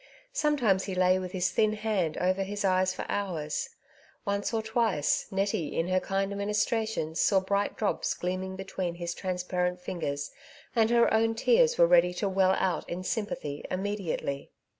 Sometimes he lay with his thin hand over his eyes for hours. Once or twice Nettie, in her kind minLstrations, saw bright drops gleaming between his transparent fingers, and her own tears were ready to well out in sympathy immediately.